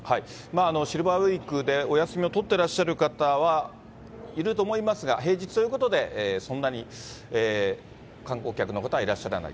シルバーウィークでお休みを取ってらっしゃる方はいると思いますが、平日ということで、そんなに観光客の方はいらっしゃらない。